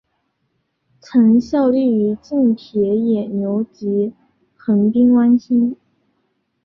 曾效力于近铁野牛及横滨湾星。